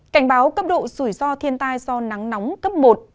cảnh báo cấp độ rủi ro thiên tai do nắng nóng cấp một